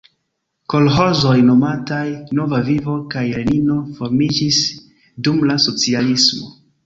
Kolĥozoj nomataj "Nova Vivo" kaj Lenino formiĝis dum la socialismo.